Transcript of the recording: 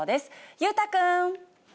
裕太君。